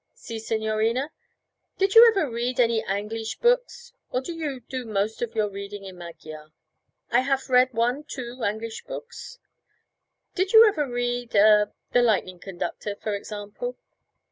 'Si, signorina?' 'Did you ever read any Angleesh books or do you do most of your reading in Magyar?' 'I haf read one, two, Angleesh books.' 'Did you ever read er The Lightning Conductor, for example?'